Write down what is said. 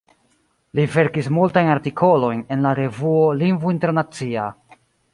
Li verkis multajn artikolojn en la revuo "Lingvo Internacia".